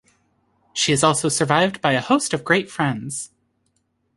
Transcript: She is also survived by a host of great friends.